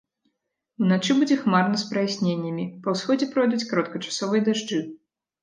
Уначы будзе хмарна з праясненнямі, па ўсходзе пройдуць кароткачасовыя дажджы.